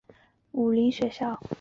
早年就读于武岭学校。